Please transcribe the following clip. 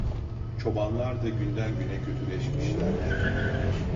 Çobanlar da günden güne kötüleşmişlerdi.